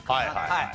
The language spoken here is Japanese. はい。